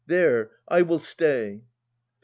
There, I will stay. Phi.